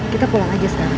kita pulang aja sekarang